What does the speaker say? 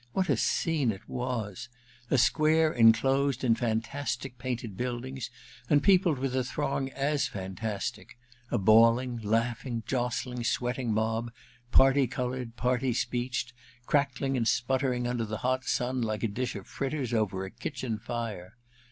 What a scene it was ! A square enclosed in fantastic painted buildings, and peopled with a throng as fantastic : a bawling, laughing, jostling, sweat ing mob, parti coloured, parti speeched, crack ling and sputtering under the hot sun like a dish of fritters over a kitchen fire.